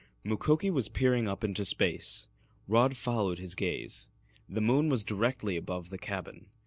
Mukoki was peering up into space. Rod followed his gaze. The moon was directly above the cabin.